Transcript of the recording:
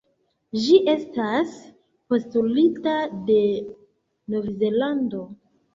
Ĝi estas postulita de Novzelando.